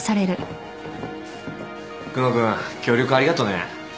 久能君協力ありがとね。